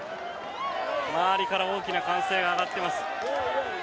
周りから大きな歓声が上がっています。